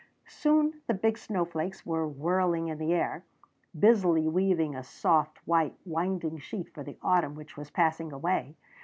Soon the big snowflakes were whirling in the air, busily weaving a soft white winding sheet for the autumn which was passing away.